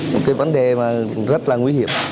một cái vấn đề mà rất là nguy hiểm